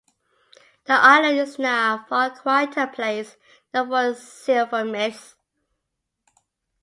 The island is now a far quieter place, known for its silversmiths.